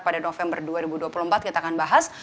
pada november dua ribu dua puluh empat kita akan bahas